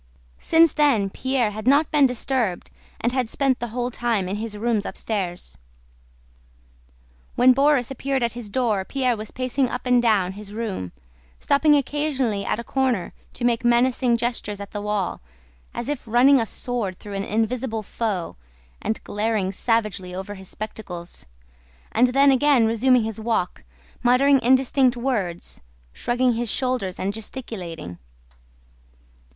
Since then Pierre had not been disturbed and had spent the whole time in his rooms upstairs. When Borís appeared at his door Pierre was pacing up and down his room, stopping occasionally at a corner to make menacing gestures at the wall, as if running a sword through an invisible foe, and glaring savagely over his spectacles, and then again resuming his walk, muttering indistinct words, shrugging his shoulders and gesticulating.